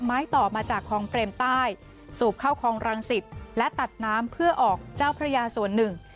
ต่อมาจากคลองเปรมใต้สูบเข้าคลองรังสิตและตัดน้ำเพื่อออกเจ้าพระยาส่วนหนึ่ง